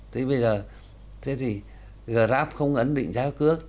thế bây giờ thế thì gà áp không ấn định giá cước